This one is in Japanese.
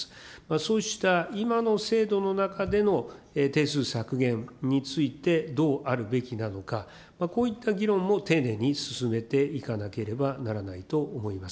そうした今の制度の中での定数削減についてどうあるべきなのか、こういった議論も丁寧に進めていかなければならないと思います。